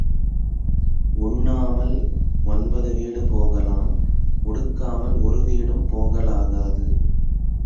உண்ணாமல் ஒன்பது வீடு போகலாம் உடுக்காமல் ஒரு வீடும் போகலாகாது.